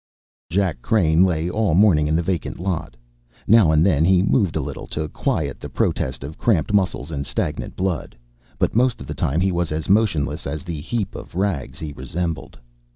Jack Crane lay all morning in the vacant lot. Now and then he moved a little to quiet the protest of cramped muscles and stagnant blood, but most of the time he was as motionless as the heap of rags he resembled.